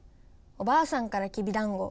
おばあさんからきびだんご。